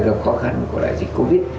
người ta gặp khó khăn của dịch covid